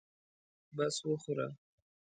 بس وخوره.